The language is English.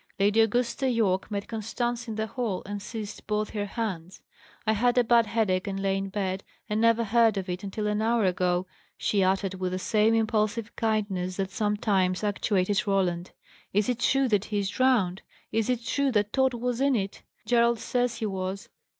Lady Augusta Yorke met Constance in the hall, and seized both her hands. "I had a bad headache, and lay in bed, and never heard of it until an hour ago!" she uttered with the same impulsive kindness that sometimes actuated Roland. "Is it true that he is drowned? Is it true that Tod was in it? Gerald says he was.